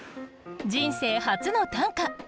人生初の短歌。